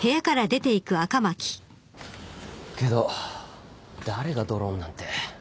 けど誰がドローンなんて。